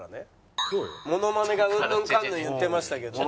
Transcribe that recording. モノマネがうんぬんかんぬん言ってましたけど。